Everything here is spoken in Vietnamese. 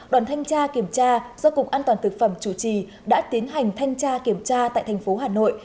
đoàn thanh tra kiểm tra do cục an toàn thực phẩm chủ trì đã tiến hành thanh tra kiểm tra tại thành phố hà nội